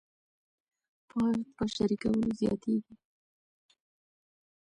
پوهه په شریکولو زیاتیږي.